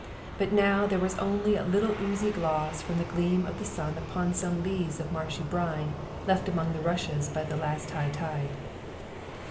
But now there was only a little oozy gloss from the gleam of the sun upon some lees of marshy brine left among the rushes by the last high tide.